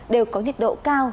đều có nhiệt độ cao